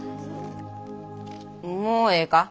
もうええか？